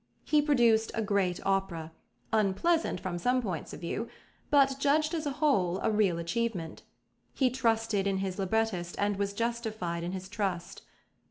He produced a great opera, unpleasant from some points of view, but, judged as a whole, a real achievement. He trusted in his librettist and was justified in his trust.